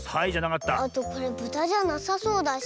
あとこれブタじゃなさそうだし。